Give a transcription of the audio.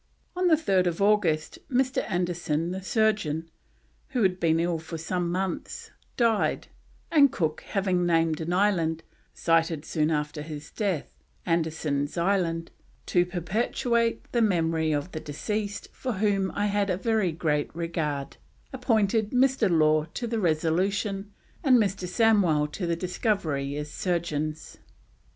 On 3rd August Mr. Anderson the surgeon, who had been ill for some months, died, and Cook, having named an island, sighted soon after his death, Anderson's Island, "to perpetuate the memory of the deceased, for whom I had a very great regard," appointed Mr. Law to the Resolution and Mr. Samwell to the Discovery as surgeons.